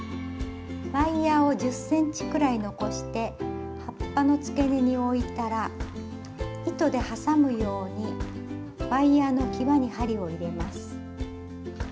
ワイヤーを１０ｃｍくらい残して葉っぱのつけ根に置いたら糸で挟むようにワイヤーのきわに針を入れます。